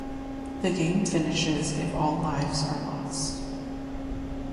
The game finishes if all lives are lost.